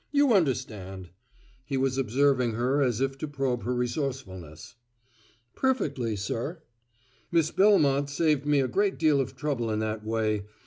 You understand!" He was observing her as if to probe her resourcefulness. "Perfectly, sir." "Miss Belmont saved me a great deal of trouble in that way.